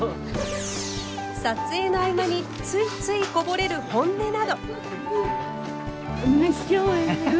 撮影の合間についついこぼれる本音など。